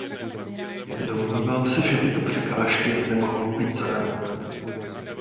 Domnívám se, že tyto překážky nemohou být zadarmo.